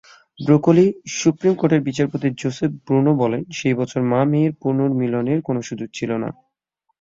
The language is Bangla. ব্রুকলিন সুপ্রিম কোর্টের বিচারপতি জোসেফ ব্রুনো বলেন, সেই বছর মা-মেয়ের পুনর্মিলনের কোন সুযোগ ছিল না।